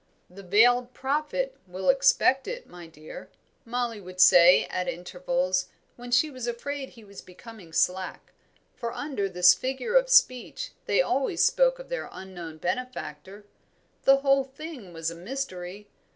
"'The veiled Prophet' will expect it, my dear," Mollie would say, at intervals, when she was afraid he was becoming slack; for under this figure of speech they always spoke of their unknown benefactor. The whole thing was a mystery.